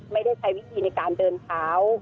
ไม่ได้ใช้วิธีในการเดินเท้า